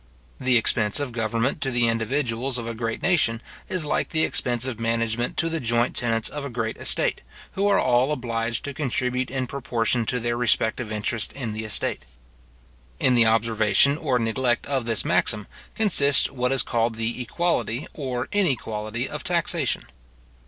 The expense of government to the individuals of a great nation, is like the expense of management to the joint tenants of a great estate, who are all obliged to contribute in proportion to their respective interests in the estate. In the observation or neglect of this maxim, consists what is called the equality or inequality of taxation.